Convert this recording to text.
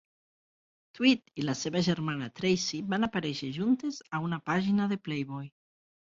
Tweed i la seva germana Tracy van aparèixer juntes en una pàgina de "Playboy".